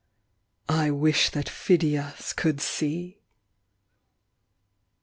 ., I wish that Phidias could see